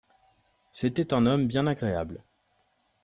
C'était un homme bien agréable